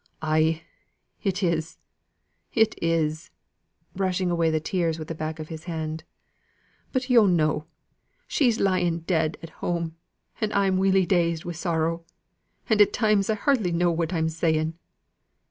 "Ay! it is, it is" (brushing away the tears with the back of his hand). "But yo' know, she's lying dead at home; and I'm welly dazed wi' sorrow, and at times I hardly know what I'm saying.